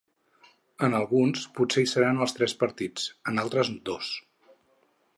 En alguns, potser hi seran els tres partits, en altres dos.